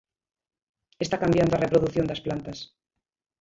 Está cambiando a reprodución das plantas.